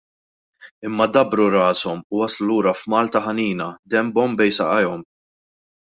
Imma dabbru rashom u waslu lura f'Malta ħanina, denbhom bejn saqajhom.